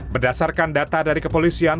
berdasarkan data dari kepolisian